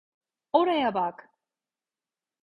Oraya bak!